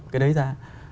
cái đấy ra